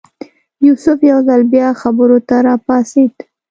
یوسف یو ځل بیا خبرو ته راپاڅېد.